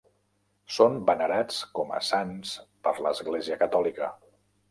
Són venerats com a sants per l'Església catòlica.